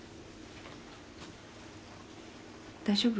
大丈夫？